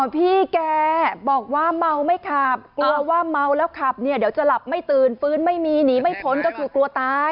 พี่แกบอกว่าเมาไม่ขับกลัวว่าเมาแล้วขับเนี่ยเดี๋ยวจะหลับไม่ตื่นฟื้นไม่มีหนีไม่พ้นก็คือกลัวตาย